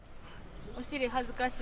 お尻恥ずかしい。